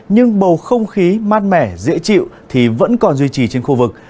nhưng bầu không khí mát mẻ dễ chịu thì vẫn còn duy trì trên khu vực